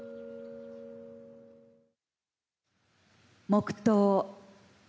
黙とう。